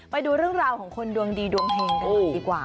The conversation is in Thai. ไปดูเรื่องราวของคนดวงดีดวงเฮงกันหน่อยดีกว่า